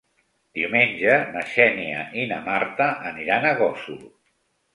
Diumenge na Xènia i na Marta aniran a Gósol.